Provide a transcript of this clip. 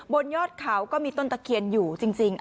บนยอดเขาก็มีต้นตะเคียนอยู่จริง